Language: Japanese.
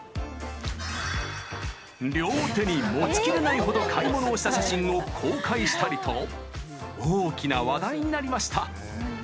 両手に持ちきれないほど買い物をした写真を公開したりと大きな話題になりました。